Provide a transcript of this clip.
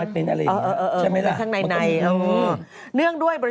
เขาอยู่นี่